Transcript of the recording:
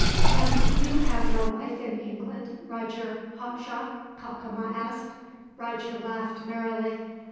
"And you have no wife in England, Roger Hawkshaw?" Cacama asked. Roger laughed merrily.